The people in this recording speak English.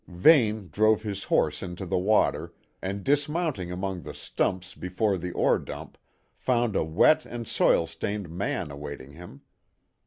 Vane drove his horse into the water, and dismounting among the stumps before the ore dump, found a wet and soil stained man awaiting him.